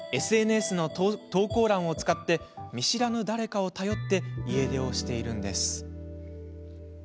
ＳＮＳの投稿欄を使って見知らぬ誰かを頼って家出をしているのです。